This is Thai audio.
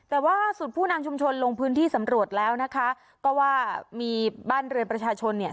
แต่ว่าสุดผู้นำชุมชนลงพื้นที่สำรวจแล้วนะคะก็ว่ามีบ้านเรือนประชาชนเนี่ย